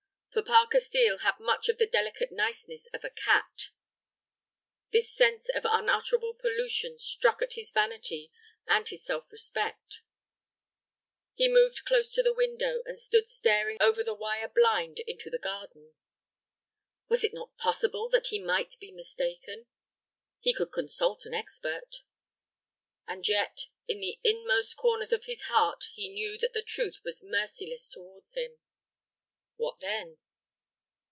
For Parker Steel had much of the delicate niceness of a cat. This sense of unutterable pollution struck at his vanity and his self respect. He moved close to the window, and stood staring over the wire blind into the garden. Was it not possible that he might be mistaken? He could consult an expert. And yet in the inmost corners of his heart he knew that the truth was merciless towards him. What then?